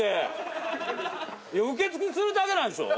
受け付けするだけなんでしょ？